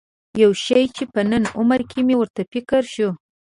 یو شی چې په نن عمره کې مې ورته فکر شو.